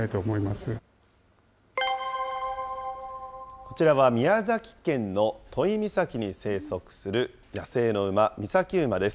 こちらは宮崎県の都井岬に生息する野生の馬、岬馬です。